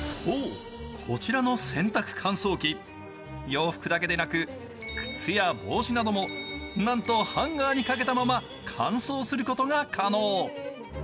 洋服だけでなく、靴や帽子などもなんとハンガーにかけたまま乾燥することが可能。